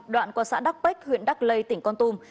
đoạn qua xã đắc huyện đắc lây tỉnh con tum